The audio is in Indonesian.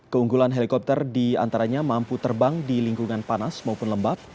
keunggulan helikopter diantaranya mampu terbang di lingkungan panas maupun lembab